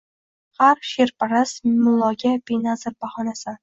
Har sheʼrparast mulloga benazir bahonasan.